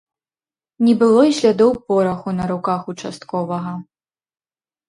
Не было і слядоў пораху на руках участковага.